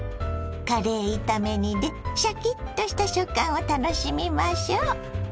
カレー炒め煮でシャキッとした食感を楽しみましょ。